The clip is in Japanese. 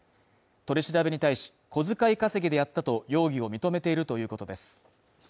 取り調べに対し、小遣い稼ぎでやったと容疑を認めているということです。